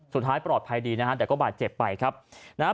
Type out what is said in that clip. สุดท้ายปลอดภัยดีนะฮะแต่ก็บาดเจ็บไปครับนะฮะ